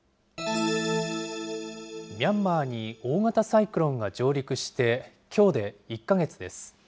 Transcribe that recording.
ミャンマーに大型サイクロンが上陸して、きょうで１か月です。